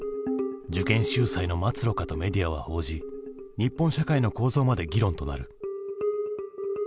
「受験秀才の末路か？」とメディアは報じ日本社会の構造まで議論となる。